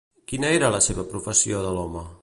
Quina era la seva professió de l'home?